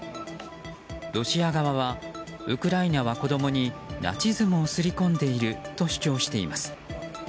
ロシア側はウクライナは子供にナチズムをすり込んでいると主張しています。